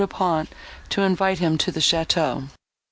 Du Pont to invite him to the château.